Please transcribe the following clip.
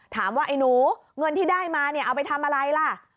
ถามว่าไอ้หนูเงินที่ได้มาเอาไปทำอะไรล่ะ